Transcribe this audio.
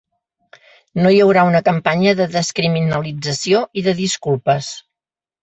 No hi haurà una campanya de descriminalització i de disculpes.